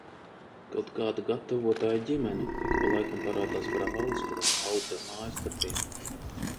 Kaut kāda gatavotāju ģimene. Ik pa laikam parādās brālis, kuram kaudze ar mājasdarbiem.